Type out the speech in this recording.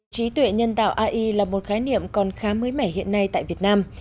trí tuệ nhân tạo ai là một khái niệm còn khá mới mẻ hiện nay tại việt nam